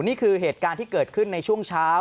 นี่คือเหตุการณ์ที่เกิดขึ้นในช่วงเช้า